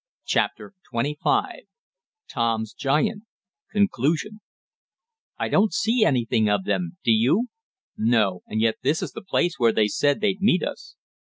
CHAPTER XXV TOM'S GIANT CONCLUSION "I don't see anything of them, do you?" "No, and yet this is the place where they said they'd meet us."